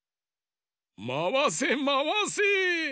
まわせまわせ。